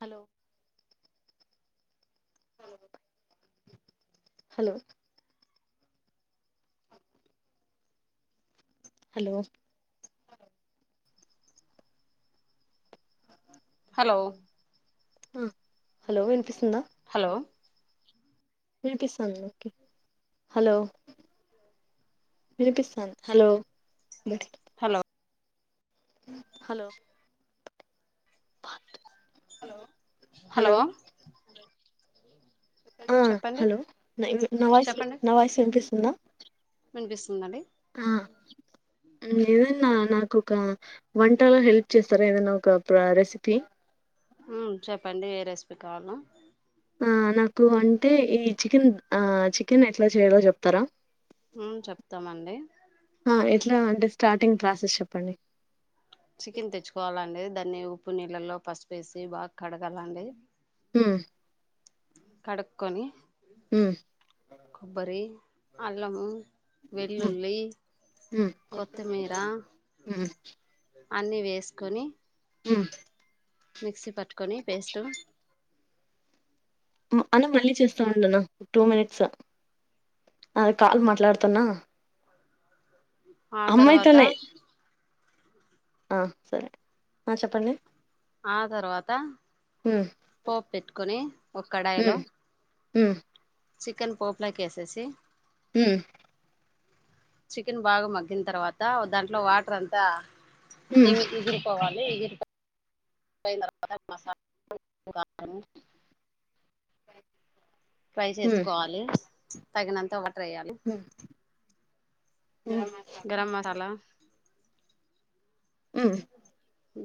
hello hello hello hello hello ఆ hello ఇనిపిస్తుందా hello ఇనిపిస్థాన్ దా నీకి హలో వినిపిస్తన్ హలో హలో హలో వాతు హలో హలో ఆ చెప్పండి హలో నవాస్ నవాయిస్ వినిపిస్ న్న మణిపిస్ ఆ ఎదన్నా నాకొక వంటలో హెల్ప్ చేస్తారా ఏదైనా ఒక తా రెసిపి మ్మ్ చెప్పండి ఏ రెస్ పి కాలం ఆ నాకు అంటే ఈ చికెన్ ఆ చికెన్ ఎట్లా చేయాలో చెప్తారా మ్మ్ చెప్తామండి మ్మ్ ఎట్లా అంటే స్టార్ట్ టింగ్ క్లాసెస్ చెప్పండి చికెన్ తెచ్చుకోవాలండి దాన్ని ఉప్పు నీళ్ళలో పసుపేసి బాగా కడగాలండి మ్మ్ కడుక్కొని మ్మ్ కొబ్బరి అల్లము వెల్లుల్లి మ్మ్ కొత్తిమీరా మ్మ్ అన్ని వేసుకొని ఆ మిక్సీ పట్టుకొని పేస్ట్ అని మళ్ళీ చేస్తా ఉండన్న టూ మినిట్స్ అ కాల్ మాట్లాడుతాన్నా ఆ తర్వాత ఆ సరే ఆ చెప్పండి ఆ తర్వాత ఉమ్ పోపు పెట్టుకుని ఒక కడాయిలో హ చికెన్ పోప్లాకెసేసి హ చికెన్ బాగా మగ్గిన తర్వాత దాంట్లో వాటర్ అంతా ఉమ్ ఇగిరుపోవాలి ఈగిరు మసాలా ట్రై ఉమ్ చేసుకోవాలి తగినంత ఒ ట్రాలి ఉమ్ గరం మసాలా ఆ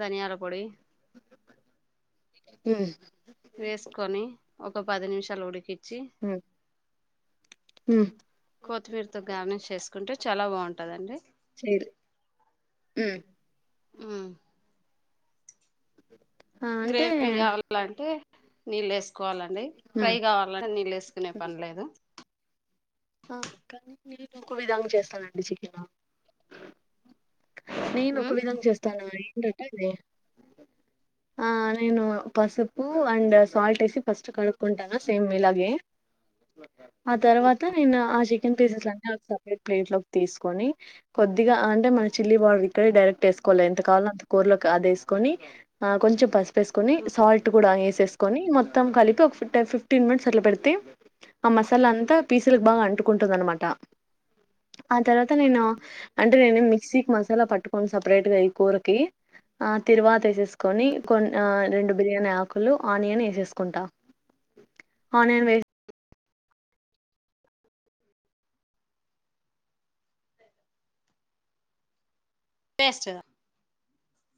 ధనియాల పొడి ఆ వేసుకొని ఒక పది నిమిషాలు ఉడికి జి ఉమ్ ఉమ్ కొత్తిమీరతో గార్నిష్ చేసుకుంటే చాలా బాగుంటదండి చైర్ అ ఆ అ గ్రేవీ కావాలంటే నీల్ వేసే సుకోవాలండి ఫ్రై ఉమ్ కావాలని నీళ్ళు వేసుకునే పనిలేదు ఆ కానీ నేను ఒక విధంగా చేస్తానండి చికెన్ నేను ఒక ఉమ్ విధం చేస్తాను అడి ఆ నేను పసుపు అండ్ సాల్ట్ వేసి ఫస్ట్ కడుక్కుంటాను సేమ్ మీ ఇలాగే ఆ తర్వాత నేను ఆశిక్ చికెన్ పీసెస్ లన్నీ సపరేట్ ప్లేట్లోకి తీసుకొని కొద్దిగా అంటే మా చిల్లీ బౌడర్ ఇక్కడ డైరెక్ట్ వేకోలి ఎంత కావాలో అంత కూరలో అది వేసుకని కొంచెం పసు సుకున సాల్ట్ కూడాేసు కొన్ని మొత్తం కలిపి ఫిప్ట్న్ మినిట్స్ అలా పెడితే మసాలా అంతా పీసులకి బాగా అంటుకుంటుంది అనమాట ఆ తర్వాత నేను అంటే నేనేం మిక్సీకి మసాలా పట్టుకని సపరేట్ గా ఈ కూరకి ఆ తిరువాత వేసేసుకొని కొ రెండు బిర్యానీ ఆకులు ఆనియన్ వేసేసుకుంటా ఆనియన్ వే బేస్ట్